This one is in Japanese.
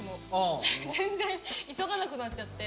全然急がなくなっちゃって。